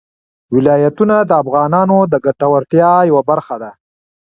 ولایتونه د افغانانو د ګټورتیا یوه برخه ده.